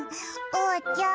おうちゃん